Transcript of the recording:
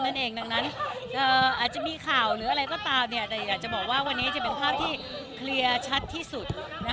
นั่นเองดังนั้นอาจจะมีข่าวหรืออะไรก็ตามแต่อยากจะบอกว่าวันนี้จะเป็นภาพที่เคลียร์ชัดที่สุด